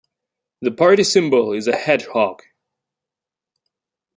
The party symbol is a hedgehog.